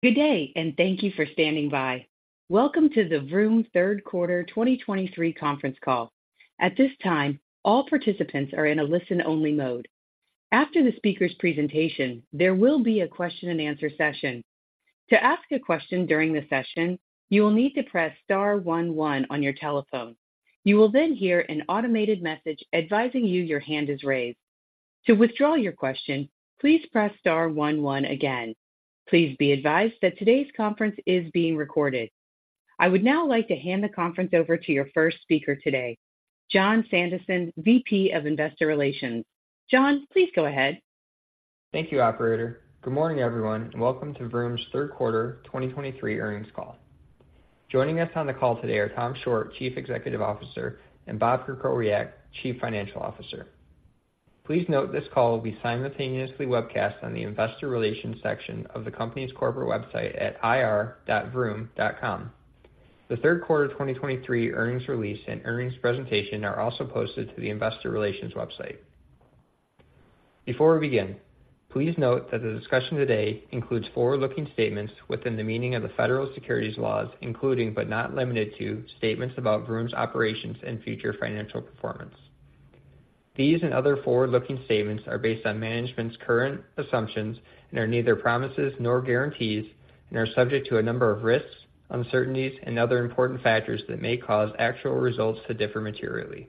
Good day, and thank you for standing by. Welcome to the Vroom Third Quarter 2023 Conference Call. At this time, all participants are in a listen-only mode. After the speaker's presentation, there will be a question-and-answer session. To ask a question during the session, you will need to press star one one on your telephone. You will then hear an automated message advising you your hand is raised. To withdraw your question, please press star one one again. Please be advised that today's conference is being recorded. I would now like to hand the conference over to your first speaker today, Jon Sandison, VP of Investor Relations. Jon, please go ahead. Thank you, operator. Good morning, everyone, and welcome to Vroom's Third Quarter 2023 Earnings Call. Joining us on the call today are Tom Shortt, Chief Executive Officer, and Bob Krakowiak, Chief Financial Officer. Please note this call will be simultaneously webcast on the Investor Relations section of the company's corporate website at ir.vroom.com. The third quarter of 2023 earnings release and earnings presentation are also posted to the Investor Relations website. Before we begin, please note that the discussion today includes forward-looking statements within the meaning of the federal securities laws, including, but not limited to, statements about Vroom's operations and future financial performance. These and other forward-looking statements are based on management's current assumptions and are neither promises nor guarantees and are subject to a number of risks, uncertainties, and other important factors that may cause actual results to differ materially.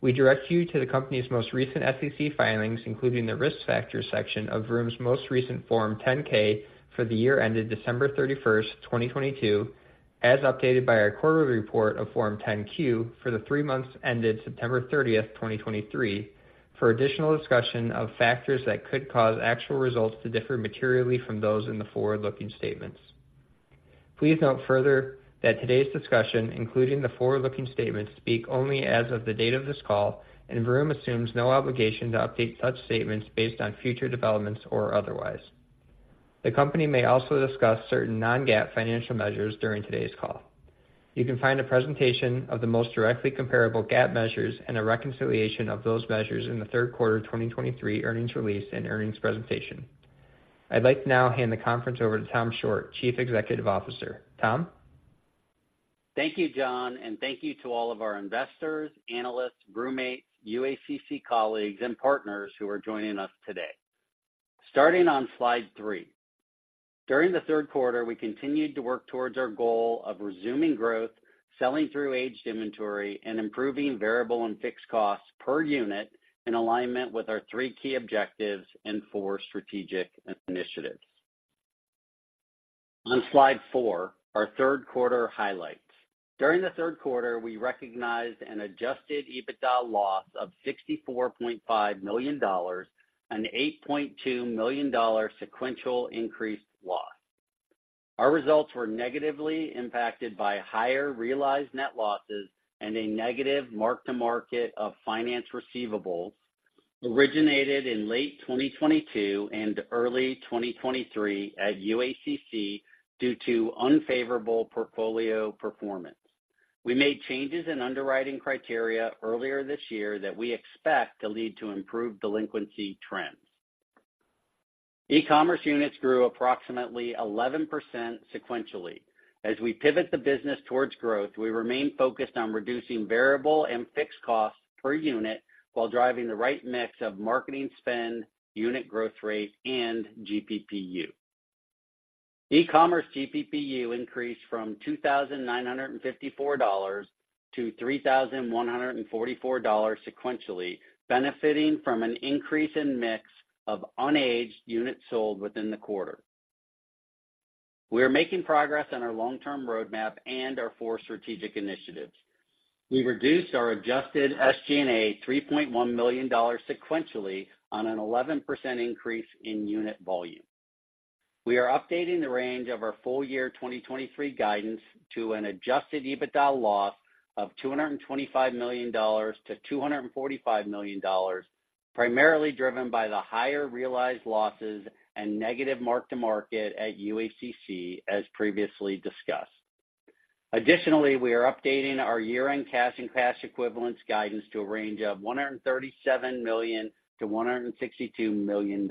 We direct you to the company's most recent SEC filings, including the Risk Factors section of Vroom's most recent Form 10-K for the year ended December 31st, 2022, as updated by our quarterly report of Form 10-Q for the three months ended September 30th, 2023, for additional discussion of factors that could cause actual results to differ materially from those in the forward-looking statements. Please note further that today's discussion, including the forward-looking statements, speak only as of the date of this call, and Vroom assumes no obligation to update such statements based on future developments or otherwise. The company may also discuss certain non-GAAP financial measures during today's call. You can find a presentation of the most directly comparable GAAP measures and a reconciliation of those measures in the third quarter of 2023 earnings release and earnings presentation. I'd like to now hand the conference over to Tom Shortt, Chief Executive Officer. Tom? Thank you, Jon, and thank you to all of our investors, analysts, Vroommates, UACC colleagues, and partners who are joining us today. Starting on slide three. During the third quarter, we continued to work towards our goal of resuming growth, selling through aged inventory, and improving variable and fixed costs per unit in alignment with our three key objectives and four strategic initiatives. On slide four, our third quarter highlights. During the third quarter, we recognized an Adjusted EBITDA loss of $64.5 million, an $8.2 million sequential increased loss. Our results were negatively impacted by higher realized net losses and a negative mark-to-market of finance receivables originated in late 2022 and early 2023 at UACC due to unfavorable portfolio performance. We made changes in underwriting criteria earlier this year that we expect to lead to improved delinquency trends. E-commerce units grew approximately 11% sequentially. As we pivot the business towards growth, we remain focused on reducing variable and fixed costs per unit while driving the right mix of marketing spend, unit growth rate, and GPPU. e-commerce GPPU increased from $2,954 to $3,144 sequentially, benefiting from an increase in mix of unaged units sold within the quarter. We are making progress on our long-term roadmap and our four strategic initiatives. We reduced our Adjusted SG&A $3.1 million sequentially on an 11% increase in unit volume. We are updating the range of our full-year 2023 guidance to an Adjusted EBITDA loss of $225 million-$245 million, primarily driven by the higher realized losses and negative Mark-to-Market at UACC, as previously discussed. Additionally, we are updating our year-end cash and cash equivalents guidance to a range of $137 million-$162 million.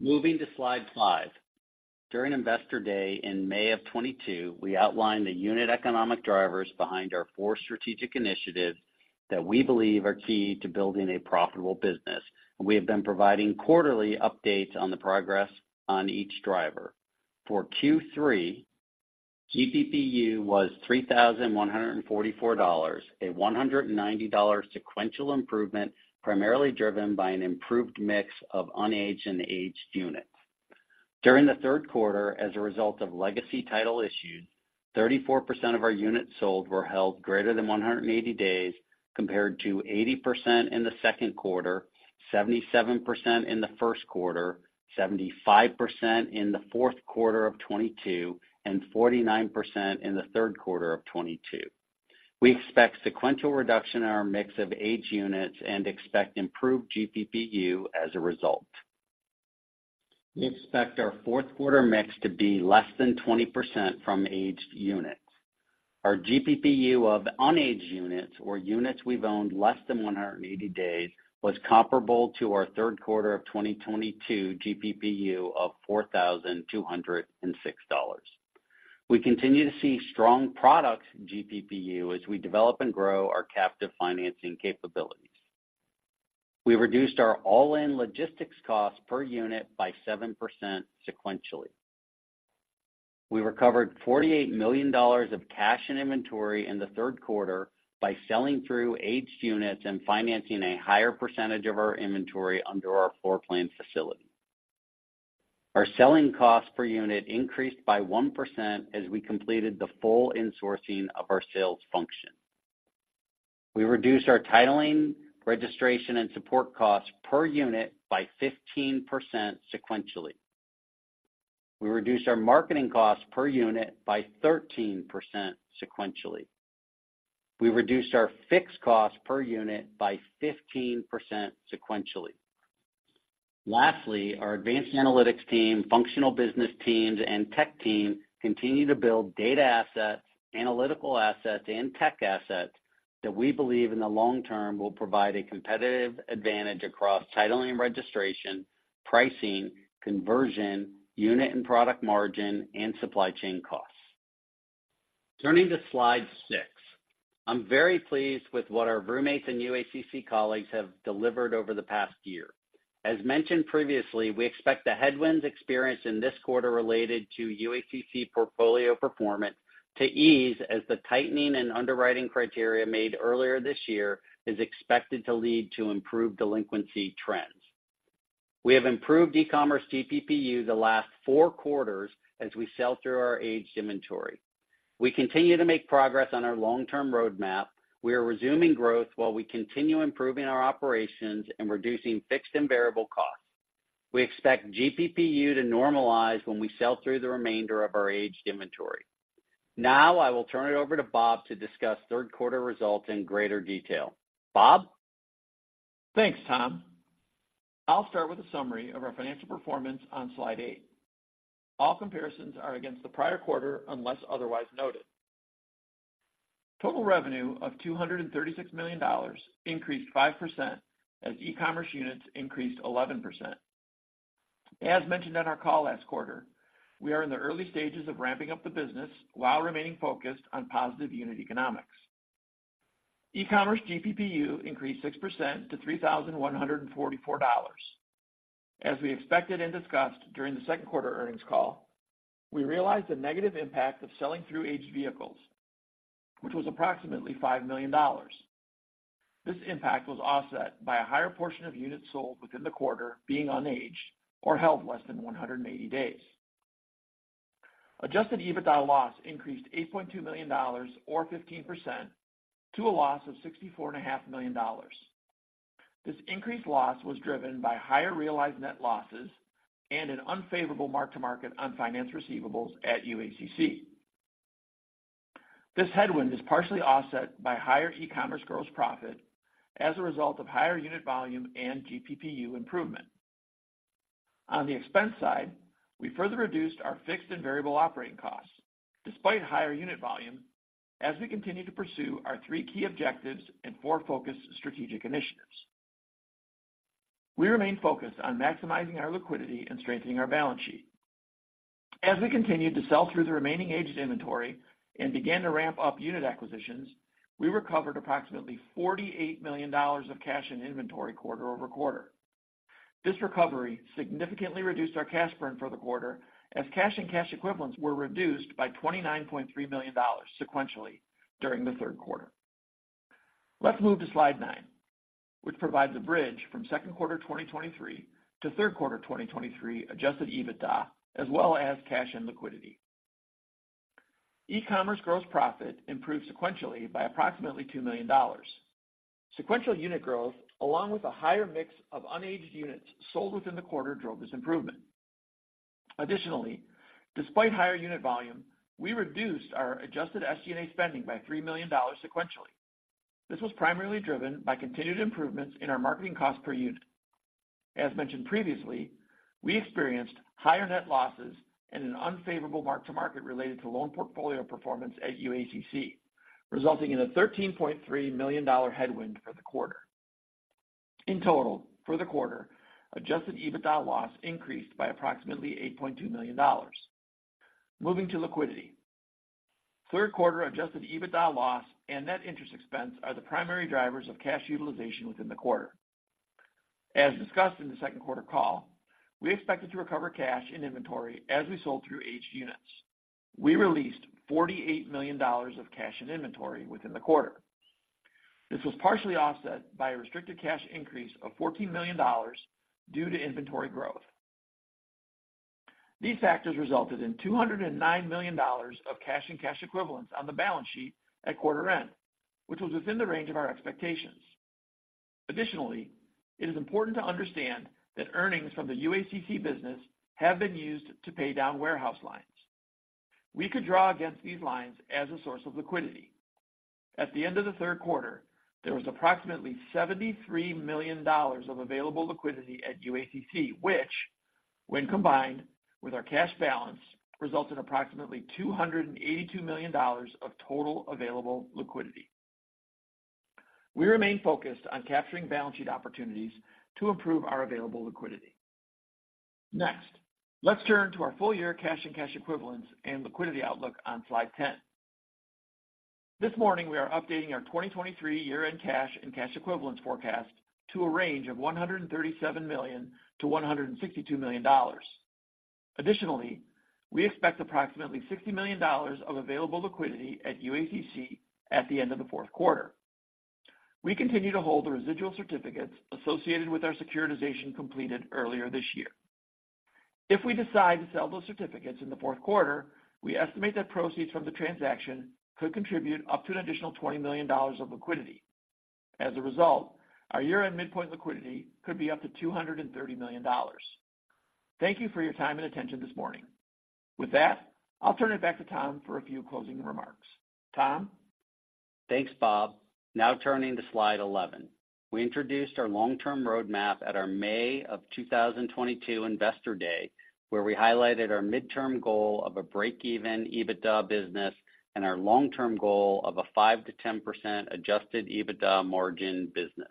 Moving to slide 5. During Investor Day in May 2022, we outlined the unit economic drivers behind our four strategic initiatives that we believe are key to building a profitable business. We have been providing quarterly updates on the progress on each driver. For Q3, GPPU was $3,144, a $190 sequential improvement, primarily driven by an improved mix of unaged and aged units. During the third quarter, as a result of legacy title issues, 34% of our units sold were held greater than 180 days, compared to 80% in the second quarter, 77% in the first quarter, 75% in the fourth quarter of 2022, and 49% in the third quarter of 2022. We expect sequential reduction in our mix of aged units and expect improved GPPU as a result. We expect our fourth quarter mix to be less than 20% from aged units.... Our GPPU of unaged units or units we've owned less than 180 days, was comparable to our third quarter of 2022 GPPU of $4,206. We continue to see strong product GPPU as we develop and grow our captive financing capabilities. We reduced our all-in logistics costs per unit by 7% sequentially. We recovered $48 million of cash and inventory in the third quarter by selling through aged units and financing a higher percentage of our inventory under our floor plan facility. Our selling cost per unit increased by 1% as we completed the full insourcing of our sales function. We reduced our titling, registration, and support costs per unit by 15% sequentially. We reduced our marketing costs per unit by 13% sequentially. We reduced our fixed costs per unit by 15% sequentially. Lastly, our advanced analytics team, functional business teams, and tech team continue to build data assets, analytical assets, and tech assets that we believe in the long term will provide a competitive advantage across titling and registration, pricing, conversion, unit and product margin, and supply chain costs. Turning to Slide 6. I'm very pleased with what our Vroomates and UACC colleagues have delivered over the past year. As mentioned previously, we expect the headwinds experienced in this quarter related to UACC portfolio performance to ease, as the tightening and underwriting criteria made earlier this year is expected to lead to improved delinquency trends. We have improved e-commerce GPPU the last four quarters as we sell through our aged inventory. We continue to make progress on our long-term roadmap. We are resuming growth while we continue improving our operations and reducing fixed and variable costs. We expect GPPU to normalize when we sell through the remainder of our aged inventory. Now I will turn it over to Bob to discuss third quarter results in greater detail. Bob? Thanks, Tom. I'll start with a summary of our financial performance on Slide 8. All comparisons are against the prior quarter, unless otherwise noted. Total revenue of $236 million increased 5%, as e-commerce units increased 11%. As mentioned on our call last quarter, we are in the early stages of ramping up the business while remaining focused on positive unit economics. E-commerce GPPU increased 6% to $3,144. As we expected and discussed during the second quarter earnings call, we realized the negative impact of selling through aged vehicles, which was approximately $5 million. This impact was offset by a higher portion of units sold within the quarter being unaged or held less than 180 days. Adjusted EBITDA loss increased $8.2 million or 15% to a loss of $64.5 million. This increased loss was driven by higher realized net losses and an unfavorable mark-to-market on finance receivables at UACC. This headwind is partially offset by higher e-commerce gross profit as a result of higher unit volume and GPPU improvement. On the expense side, we further reduced our fixed and variable operating costs, despite higher unit volume, as we continue to pursue our three key objectives and four focused strategic initiatives. We remain focused on maximizing our liquidity and strengthening our balance sheet. As we continued to sell through the remaining aged inventory and began to ramp up unit acquisitions, we recovered approximately $48 million of cash and inventory quarter over quarter. This recovery significantly reduced our cash burn for the quarter, as cash and cash equivalents were reduced by $29.3 million sequentially during the third quarter. Let's move to Slide 9, which provides a bridge from second quarter 2023 to third quarter 2023 adjusted EBITDA, as well as cash and liquidity. E-commerce gross profit improved sequentially by approximately $2 million. Sequential unit growth, along with a higher mix of unaged units sold within the quarter, drove this improvement. Additionally, despite higher unit volume, we reduced our adjusted SG&A spending by $3 million sequentially. This was primarily driven by continued improvements in our marketing cost per unit. As mentioned previously, we experienced higher net losses and an unfavorable mark-to-market related to loan portfolio performance at UACC, resulting in a $13.3 million headwind for the quarter. In total, for the quarter, Adjusted EBITDA loss increased by approximately $8.2 million. Moving to liquidity. Third quarter Adjusted EBITDA loss and net interest expense are the primary drivers of cash utilization within the quarter. As discussed in the second quarter call, we expected to recover cash and inventory as we sold through aged units. We released $48 million of cash and inventory within the quarter. This was partially offset by a restricted cash increase of $14 million due to inventory growth. These factors resulted in $209 million of cash and cash equivalents on the balance sheet at quarter end, which was within the range of our expectations. Additionally, it is important to understand that earnings from the UACC business have been used to pay down warehouse lines. We could draw against these lines as a source of liquidity. At the end of the third quarter, there was approximately $73 million of available liquidity at UACC, which, when combined with our cash balance, results in approximately $282 million of total available liquidity. We remain focused on capturing balance sheet opportunities to improve our available liquidity. Next, let's turn to our full-year cash and cash equivalents and liquidity outlook on Slide 10. This morning, we are updating our 2023 year-end cash and cash equivalents forecast to a range of $137 million-$162 million. Additionally, we expect approximately $60 million of available liquidity at UACC at the end of the fourth quarter. We continue to hold the residual certificates associated with our securitization completed earlier this year. If we decide to sell those certificates in the fourth quarter, we estimate that proceeds from the transaction could contribute up to an additional $20 million of liquidity. As a result, our year-end midpoint liquidity could be up to $230 million. Thank you for your time and attention this morning. With that, I'll turn it back to Tom for a few closing remarks. Tom? Thanks, Bob. Now turning to Slide 11. We introduced our long-term roadmap at our May 2022 Investor Day, where we highlighted our midterm goal of a break-even EBITDA business and our long-term goal of a 5%-10% adjusted EBITDA margin business.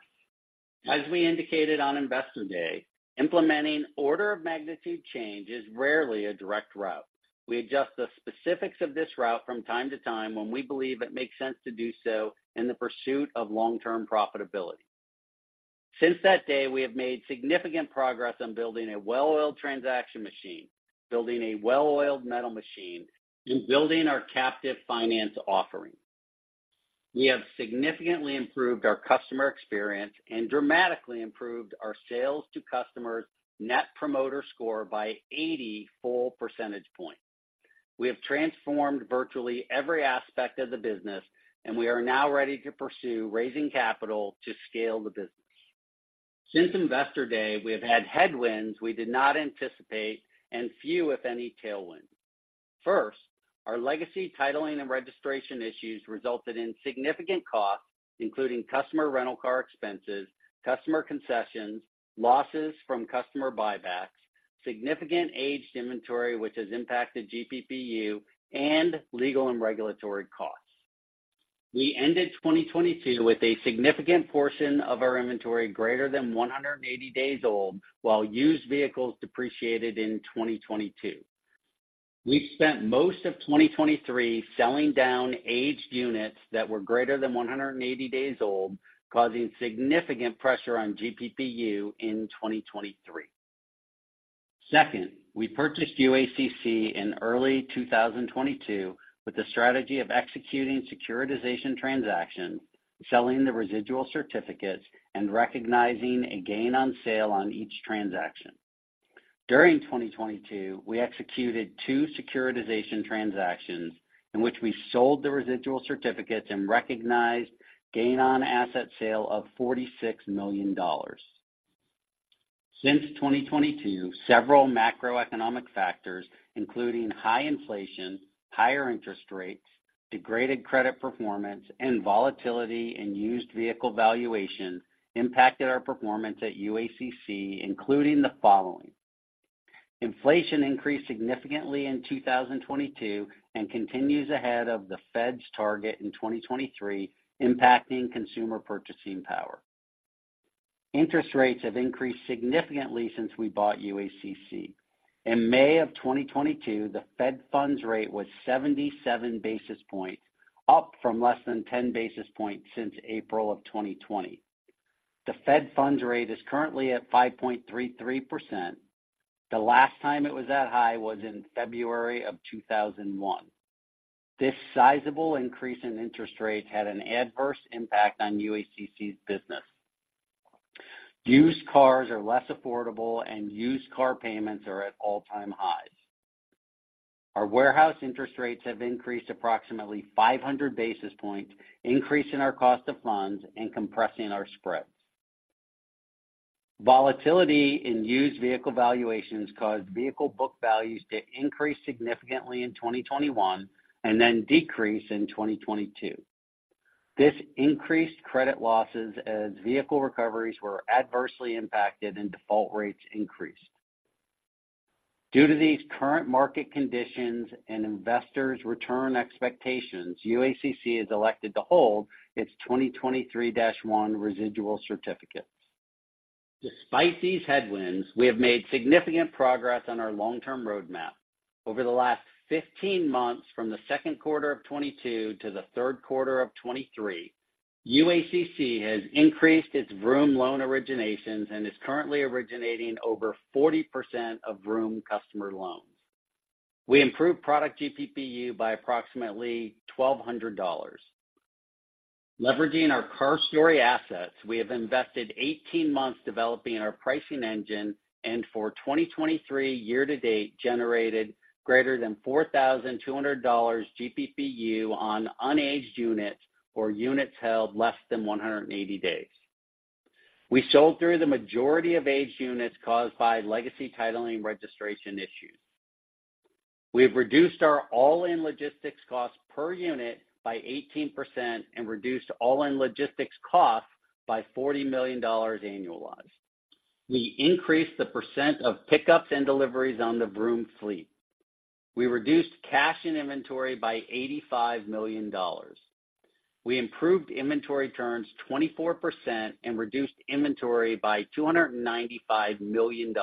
As we indicated on Investor Day, implementing order-of-magnitude change is rarely a direct route. We adjust the specifics of this route from time to time when we believe it makes sense to do so in the pursuit of long-term profitability. Since that day, we have made significant progress on building a well-oiled transaction machine, building a well-oiled metal machine, and building our captive finance offering. We have significantly improved our customer experience and dramatically improved our sales to customers' Net Promoter Score by 80 full percentage points. We have transformed virtually every aspect of the business, and we are now ready to pursue raising capital to scale the business. Since Investor Day, we have had headwinds we did not anticipate and few, if any, tailwinds. First, our legacy titling and registration issues resulted in significant costs, including customer rental car expenses, customer concessions, losses from customer buybacks, significant aged inventory, which has impacted GPPU, and legal and regulatory costs. We ended 2022 with a significant portion of our inventory greater than 180 days old, while used vehicles depreciated in 2022. We spent most of 2023 selling down aged units that were greater than 180 days old, causing significant pressure on GPPU in 2023. Second, we purchased UACC in early 2022 with a strategy of executing securitization transactions, selling the residual certificates, and recognizing a gain on sale on each transaction. During 2022, we executed 2 securitization transactions in which we sold the residual certificates and recognized gain on asset sale of $46 million. Since 2022, several macroeconomic factors, including high inflation, higher interest rates, degraded credit performance, and volatility in used vehicle valuation, impacted our performance at UACC, including the following. Inflation increased significantly in 2022 and continues ahead of the Fed's target in 2023, impacting consumer purchasing power. Interest rates have increased significantly since we bought UACC. In May of 2022, the Fed Funds Rate was 77 basis points, up from less than 10 basis points since April of 2020. The Fed Funds Rate is currently at 5.33%. The last time it was that high was in February of 2001. This sizable increase in interest rates had an adverse impact on UACC's business. Used cars are less affordable, and used car payments are at all-time highs. Our warehouse interest rates have increased approximately 500 basis points, increasing our cost of funds and compressing our spreads. Volatility in used vehicle valuations caused vehicle book values to increase significantly in 2021 and then decrease in 2022. This increased credit losses as vehicle recoveries were adversely impacted and default rates increased. Due to these current market conditions and investors' return expectations, UACC has elected to hold its 2023-1 residual certificates. Despite these headwinds, we have made significant progress on our long-term roadmap. Over the last 15 months, from the second quarter of 2022 to the third quarter of 2023, UACC has increased its Vroom loan originations and is currently originating over 40% of Vroom customer loans. We improved product GPPU by approximately $1,200. Leveraging our CarStory assets, we have invested 18 months developing our pricing engine, and for 2023 year-to-date, generated greater than $4,200 GPPU on unaged units or units held less than 180 days. We sold through the majority of aged units caused by legacy titling and registration issues.... We've reduced our all-in logistics costs per unit by 18% and reduced all-in logistics costs by $40 million annualized. We increased the percent of pickups and deliveries on the Vroom fleet. We reduced cash and inventory by $85 million. We improved inventory turns 24% and reduced inventory by $295 million.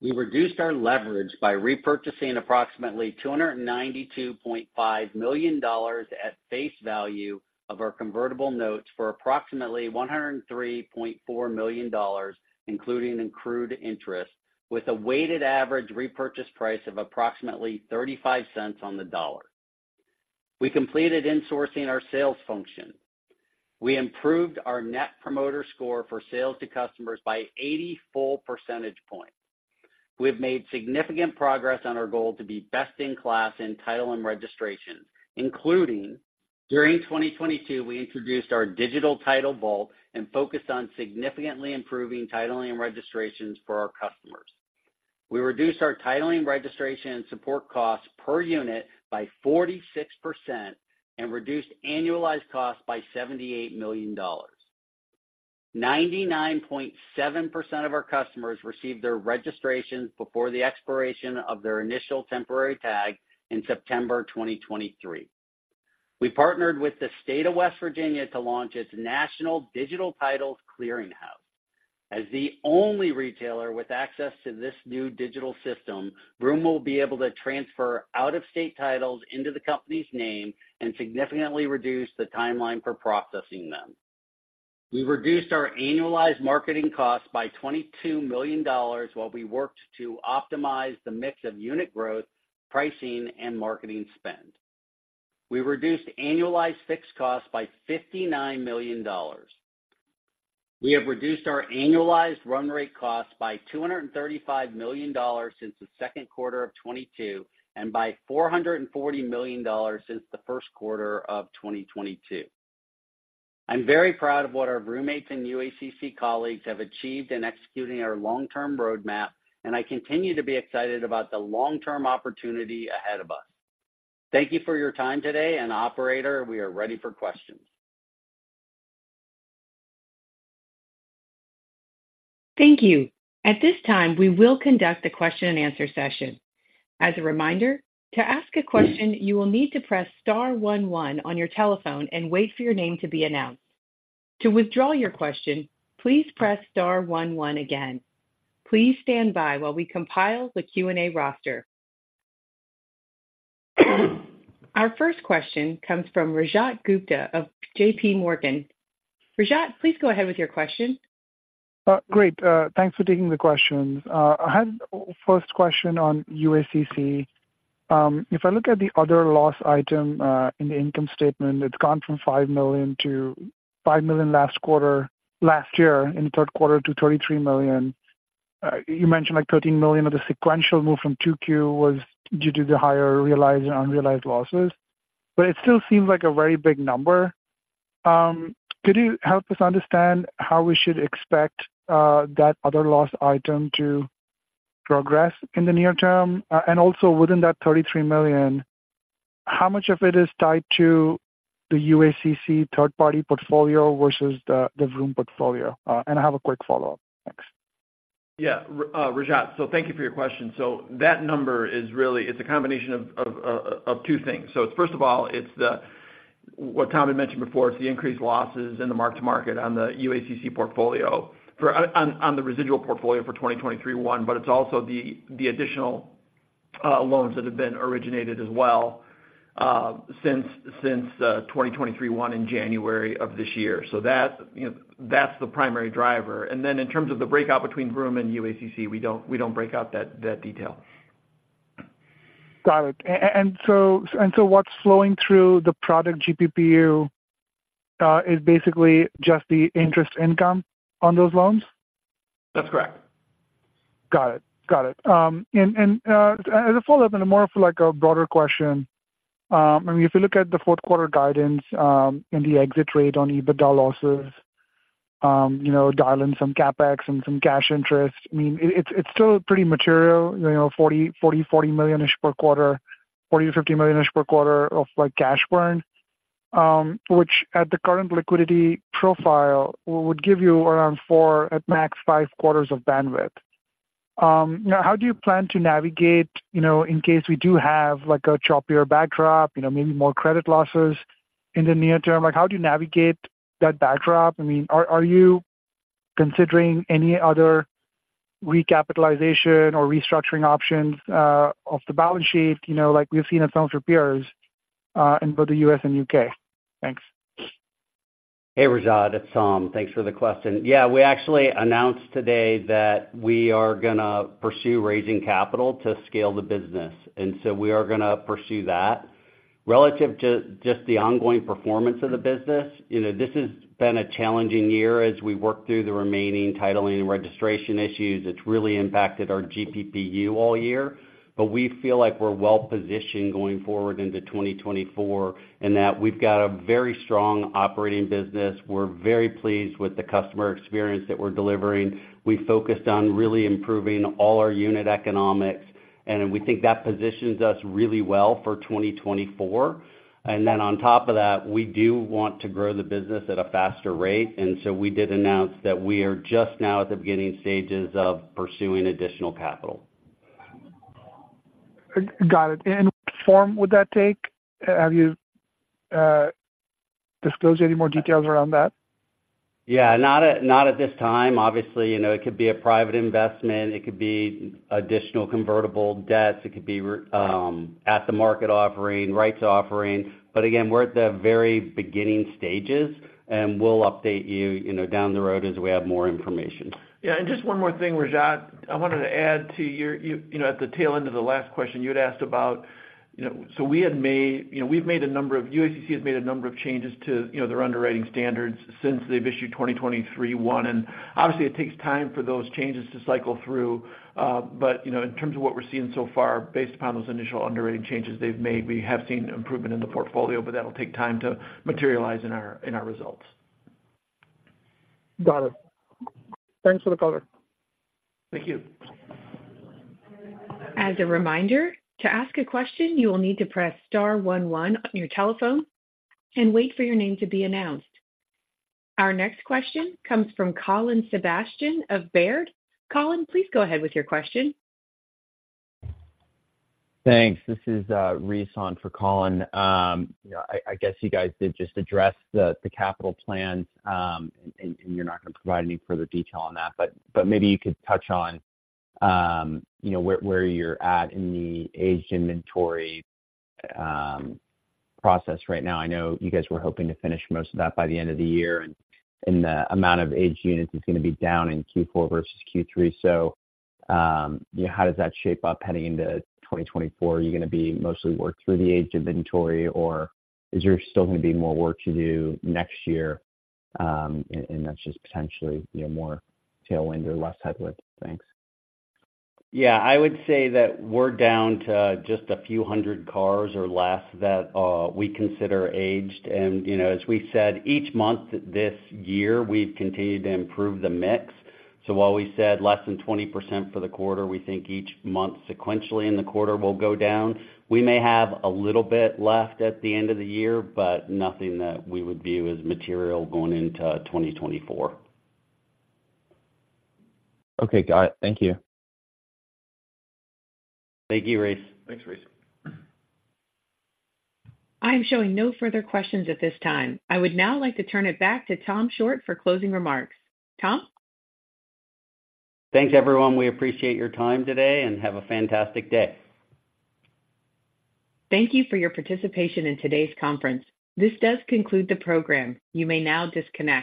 We reduced our leverage by repurchasing approximately $292.5 million at face value of our Convertible Notes for approximately $103.4 million, including accrued interest, with a weighted average repurchase price of approximately 35 cents on the dollar. We completed insourcing our sales function. We improved our Net Promoter Score for sales to customers by 80 full percentage points. We've made significant progress on our goal to be best in class in title and registration, including during 2022, we introduced our Digital Title Vault and focused on significantly improving titling and registrations for our customers. We reduced our titling, registration, and support costs per unit by 46% and reduced annualized costs by $78 million. 99.7% of our customers received their registrations before the expiration of their initial temporary tag in September 2023. We partnered with the state of West Virginia to launch its National Digital Title Clearinghouse. As the only retailer with access to this new digital system, Vroom will be able to transfer out-of-state titles into the company's name and significantly reduce the timeline for processing them. We reduced our annualized marketing costs by $22 million, while we worked to optimize the mix of unit growth, pricing, and marketing spend. We reduced annualized fixed costs by $59 million. We have reduced our annualized run rate costs by $235 million since the second quarter of 2022, and by $440 million since the first quarter of 2022. I'm very proud of what our Vroommates and UACC colleagues have achieved in executing our long-term roadmap, and I continue to be excited about the long-term opportunity ahead of us. Thank you for your time today, and operator, we are ready for questions. Thank you. At this time, we will conduct a question-and-answer session. As a reminder, to ask a question, you will need to press star one one on your telephone and wait for your name to be announced. To withdraw your question, please press star one one again. Please stand by while we compile the Q&A roster. Our first question comes from Rajat Gupta of J.P. Morgan. Rajat, please go ahead with your question. Great, thanks for taking the questions. I had first question on UACC. If I look at the other loss item, in the income statement, it's gone from $5 million last year, in the third quarter to $33 million. You mentioned, like, $13 million of the sequential move from 2Q was due to the higher realized and unrealized losses. But it still seems like a very big number. Could you help us understand how we should expect that other loss item to progress in the near term? And also within that $33 million, how much of it is tied to the UACC third-party portfolio versus the Vroom portfolio? And I have a quick follow-up. Thanks. Yeah, Rajat, so thank you for your question. So that number is really... It's a combination of two things. So first of all, it's what Tom had mentioned before, it's the increased losses in the mark-to-market on the UACC portfolio, on the residual portfolio for Q1 2023, but it's also the additional loans that have been originated as well since Q1 2023 in January of this year. So that, you know, that's the primary driver. And then in terms of the breakout between Vroom and UACC, we don't break out that detail. Got it. And so, what's flowing through the product GPPU is basically just the interest income on those loans? That's correct. Got it. Got it. And as a follow-up and more of, like, a broader question, I mean, if you look at the fourth quarter guidance, and the exit rate on EBITDA losses, you know, dial in some CapEx and some cash interest, I mean, it's still pretty material, you know, $40 million-ish per quarter, $40-$50 million-ish per quarter of, like, cash burn, which at the current liquidity profile, would give you around 4, at max 5 quarters of bandwidth. Now, how do you plan to navigate, you know, in case we do have, like, a choppier backdrop, you know, maybe more credit losses in the near term? Like, how do you navigate that backdrop? I mean, are you considering any other recapitalization or restructuring options, off the balance sheet, you know, like we've seen in some of your peers, in both the U.S. and U.K.? Thanks. Hey, Rajat, it's Tom. Thanks for the question. Yeah, we actually announced today that we are gonna pursue raising capital to scale the business, and so we are gonna pursue that. Relative to just the ongoing performance of the business, you know, this has been a challenging year as we work through the remaining titling and registration issues. It's really impacted our GPPU all year, but we feel like we're well-positioned going forward into 2024, and that we've got a very strong operating business. We're very pleased with the customer experience that we're delivering. We focused on really improving all our unit economics, and we think that positions us really well for 2024. And then on top of that, we do want to grow the business at a faster rate, and so we did announce that we are just now at the beginning stages of pursuing additional capital. Got it. What form would that take? Have you disclosed any more details around that? Yeah, not at, not at this time. Obviously, you know, it could be a private investment, it could be additional convertible debts, it could be, at the market offering, rights offering. But again, we're at the very beginning stages, and we'll update you, you know, down the road as we have more information. Yeah, and just one more thing, Rajat. I wanted to add to your—you know, at the tail end of the last question you had asked about, you know, so we had made—you know, we've made a number of—UACC has made a number of changes to, you know, their underwriting standards since they've issued 2023-1, and obviously, it takes time for those changes to cycle through. But, you know, in terms of what we're seeing so far, based upon those initial underwriting changes they've made, we have seen improvement in the portfolio, but that'll take time to materialize in our results. Got it. Thanks for the color. Thank you. As a reminder, to ask a question, you will need to press star one one on your telephone and wait for your name to be announced. Our next question comes from Colin Sebastian of Baird. Colin, please go ahead with your question. Thanks. This is Rhys on for Colin. You know, I guess you guys did just address the capital plans, and you're not gonna provide any further detail on that, but maybe you could touch on, you know, where you're at in the aged inventory process right now. I know you guys were hoping to finish most of that by the end of the year, and the amount of aged units is gonna be down in Q4 versus Q3. So, how does that shape up heading into 2024? Are you gonna be mostly worked through the aged inventory, or is there still gonna be more work to do next year, and that's just potentially, you know, more tailwind or less headwind? Thanks. Yeah, I would say that we're down to just a few hundred cars or less that we consider aged. You know, as we said, each month this year, we've continued to improve the mix. So while we said less than 20% for the quarter, we think each month sequentially in the quarter will go down. We may have a little bit left at the end of the year, but nothing that we would view as material going into 2024. Okay, got it. Thank you. Thank you, Rhys. Thanks, Rhys. I am showing no further questions at this time. I would now like to turn it back to Tom Shortt for closing remarks. Tom? Thanks, everyone. We appreciate your time today, and have a fantastic day. Thank you for your participation in today's conference. This does conclude the program. You may now disconnect.